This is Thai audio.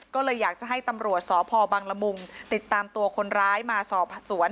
ก็เลยอยากจะให้ตำรวจสพบังละมุงติดตามตัวคนร้ายมาสอบสวน